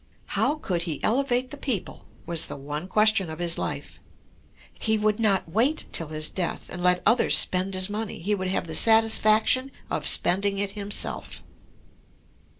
"How could he elevate the people?" was the one question of his life. He would not wait till his death, and let others spend his money; he would have the satisfaction of spending it himself.